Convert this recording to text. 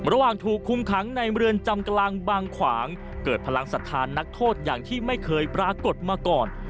ระหว่างถูกคุมขังในเมืองจำกลางบางขวางเกิดพลังศรัทธานักโทษอย่างที่ไม่เคยปรากฏมาก่อน